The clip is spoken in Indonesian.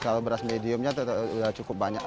kalau beras mediumnya sudah cukup banyak